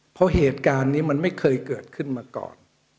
เพราะเหตุการณ์นี้มันไม่เคยเกิดขึ้นมาก่อน